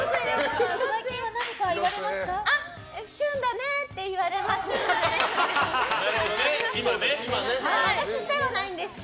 最近は何か言われますか？